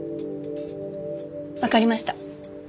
わかりました。